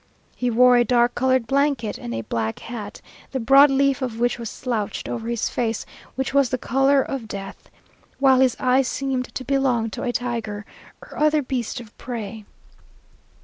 He wore a dark coloured blanket, and a black hat, the broad leaf of which was slouched over his face, which was the colour of death, while his eyes seemed to belong to a tiger or other beast of prey.